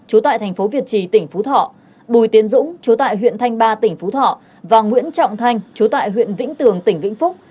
trú tại thành phố việt trì tỉnh phú thọ bùi tiến dũng chú tại huyện thanh ba tỉnh phú thọ và nguyễn trọng thanh chú tại huyện vĩnh tường tỉnh vĩnh phúc